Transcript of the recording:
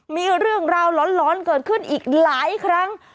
มีเรื่องราวร้อนเกิดขึ้นอีกหลายครั้ง